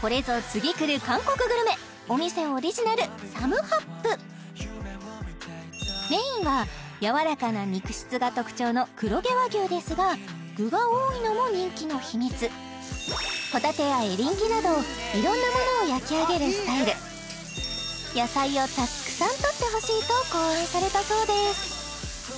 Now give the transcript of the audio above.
これぞ次くる韓国グルメお店オリジナルサムハップメインは柔らかな肉質が特徴の黒毛和牛ですが具が多いのも人気の秘密ホタテやエリンギなどいろんなものを焼き上げるスタイル野菜をたくさんとってほしいと考案されたそうです